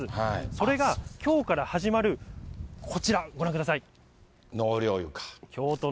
それがきょうから始まるこちら、ご覧ください。